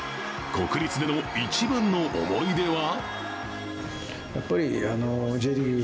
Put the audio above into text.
国立での一番の思い出は？